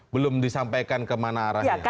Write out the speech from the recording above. belum disampaikan kemana arahnya